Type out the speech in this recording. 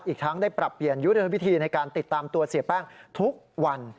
อีกทั้งได้ปรับเปลี่ยนยุทธวิธีในการติดตามตัวเสียแป้งทุกวัน